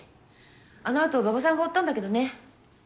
あのあと馬場さんが追ったんだけどね。